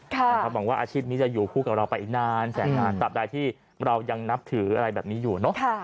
หวังว่าอาชีพนี้จะอยู่คู่กับเราไปอีกนานแสนนานตามใดที่เรายังนับถืออะไรแบบนี้อยู่เนอะ